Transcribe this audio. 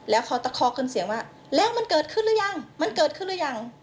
แล้วพอตะคอขึ้นเสียงว่าแล้วมันเกิดขึ้นหรือยังมันเกิดขึ้นหรือยัง